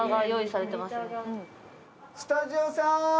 スタジオさん！